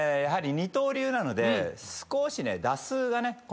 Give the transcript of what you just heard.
やはり二刀流なので少しね打数がね